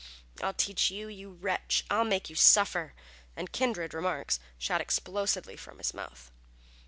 "I'll teach you, you wretch! I'll make you suffer!" and kindred remarks, shot explosively from his mouth.